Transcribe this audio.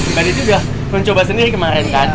mbak desi sudah mencoba sendiri kemarin kan